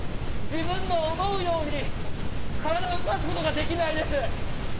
自分の思うように体を動かすことができないです。